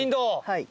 はい。